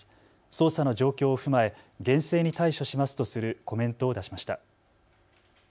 捜査の状況を踏まえ厳正に対処しますとするコメントを出しました。